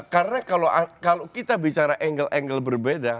karena kalau kita bicara angle angle berbeda